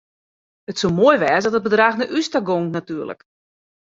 It soe moai wêze at it bedrach nei ús ta gong natuerlik.